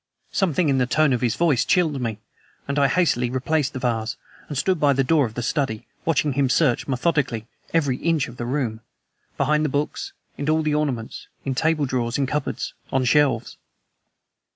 Something in the tone of his voice chilled me, and I hastily replaced the vase, and stood by the door of the study, watching him search, methodically, every inch of the room behind the books, in all the ornaments, in table drawers, in cupboards, on shelves.